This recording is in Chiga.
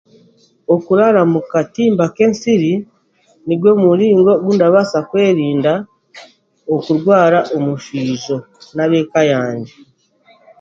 Okuraara mukamba k'ensiri nigwo muringo gundabaasa kwerinda okurwara omuswiza n'abeeka yangye